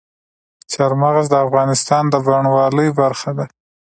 چار مغز د افغانستان د بڼوالۍ برخه ده.